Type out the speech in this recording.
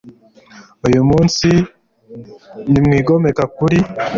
Uyu munsi nimwigomeka kuri